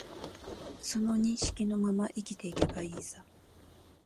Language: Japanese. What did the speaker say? その認識のまま生きていけばいいさ